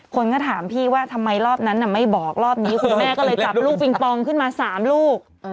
คนก็ถามพี่ว่าทำไมรอบนั้นไม่บอกรอบนี้คุณแม่ก็เลยจับลูกปิงปองขึ้นมา๓ลูก